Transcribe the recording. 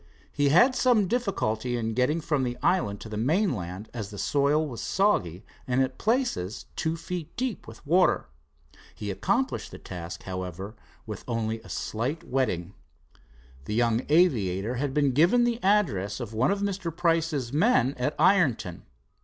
He had some difficulty in getting from the island to the mainland, as the soil was soggy and at places two feet deep with water. He accomplished the task, however, with only a slight wetting. The young aviator had been given the address, of one of Mr. Price's men at Ironton.